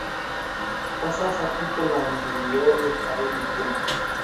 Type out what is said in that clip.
kwa sasa tuko na milioni karibu kumi